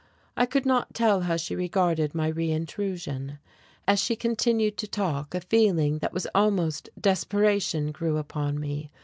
I could not tell how she regarded my re intrusion. As she continued to talk, a feeling that was almost desperation grew upon me.